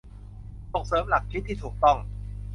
ส่งเสริมหลักคิดที่ถูกต้อง